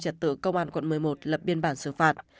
trật tự công an quận một mươi một lập biên bản xử phạt